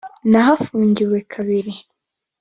Nahafungiwe kabiri,